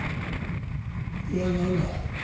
いやなんの。